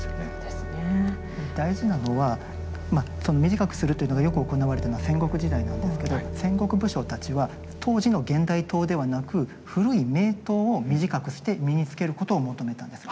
大事なのはまあその短くするというのがよく行われたのは戦国時代なんですけど戦国武将たちは当時の現代刀ではなく古い名刀を短くして身に着けることを求めたんです。